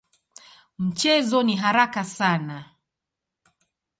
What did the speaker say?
Mchezo ni haraka sana.